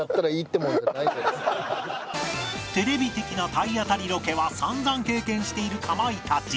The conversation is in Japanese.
テレビ的な体当たりロケは散々経験しているかまいたち